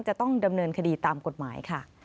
จะต้องดำเนินคดีตามกฎหมายค่ะ